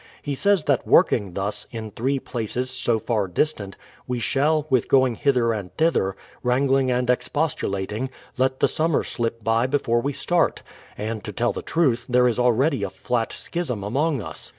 He says that working thus, in three places, so far distant, we shall, with going hither and thither, wrangling and expostulating, let the summer slip by before we start. And to tell the truth, there is already a flat schism among us.